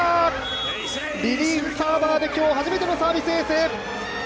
リリーフサーバーで今日始めてのサービスエース。